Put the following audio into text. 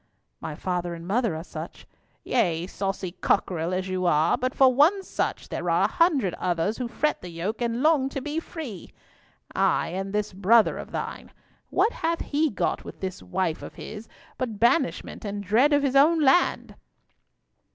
"My father and mother are such." "Yea, saucy cockerel as you are; but for one such, there are a hundred others who fret the yoke, and long to be free! Ay, and this brother of thine, what hath he got with this wife of his but banishment and dread of his own land?"